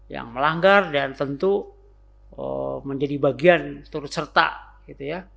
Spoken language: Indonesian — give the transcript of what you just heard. yang melanggar dan tentu menjadi bagian turut serta gitu ya